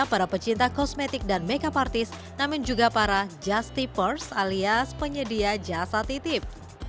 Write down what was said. para pecinta kosmetik dan makeup artis namun juga para justi pers alias penyedia jasa titip